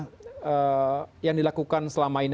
yang ditanya bagaimana yang dilakukan selama ini